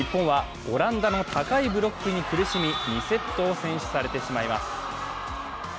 日本はオランダの高いブロックに苦しみ、２セットを先取されてしまいます。